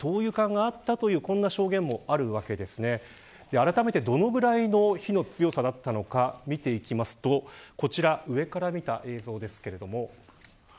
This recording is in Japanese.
あらためて、どのぐらいの火の強さだったのか見ていくとこちら、上から見た映像です。